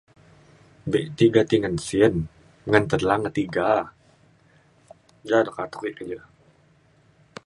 be tiga ti ngan sien ngan telang e tiga. ja do katuk ek keja.